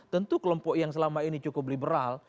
tentu kelompok yang selama ini cukup liberal